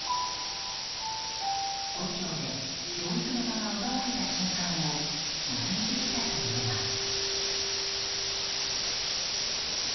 故郷で教育の場が奪われた瞬間を目撃したといいます。